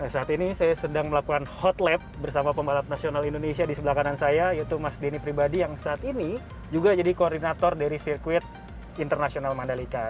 saat ini saya sedang melakukan hotlib bersama pembalap nasional indonesia di sebelah kanan saya yaitu mas denny pribadi yang saat ini juga jadi koordinator dari sirkuit internasional mandalika